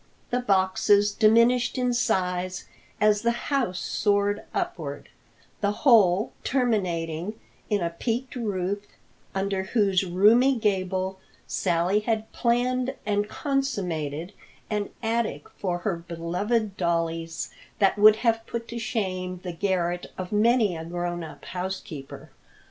The boxes diminished in size as the house soared upward, the whole terminating in a peaked roof under whose roomy gable Sally had planned and consummated an attic for her beloved dollies that would have put to shame the garret of many a grown up housekeeper.